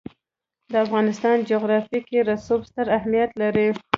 د افغانستان جغرافیه کې رسوب ستر اهمیت لري.